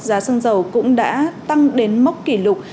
giá xăng dầu cũng đã tăng đến mốc kỷ lục